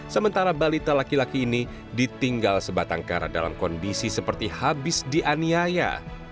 sementara balita laki laki ini ditinggal sebatang kara dalam kondisi seperti habis dianiaya